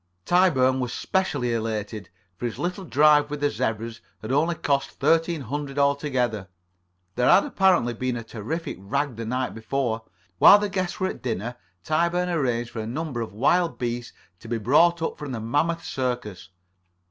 Tyburn was specially elated, for his little drive with the zebras had only cost thirteen hundred altogether. There had apparently been a terrific rag the night before. While the guests were at dinner, Tyburn [Pg 44]arranged for a number of wild beasts to be brought up from the Mammoth Circus.